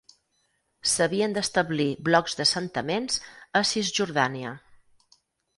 S'havien d'establir blocs d'assentaments a Cisjordània.